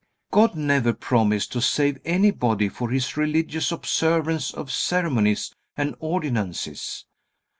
God never promised to save anybody for his religious observance of ceremonies and ordinances.